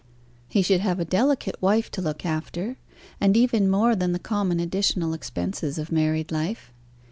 He should have a delicate wife to look after, and even more than the common additional expenses of married life.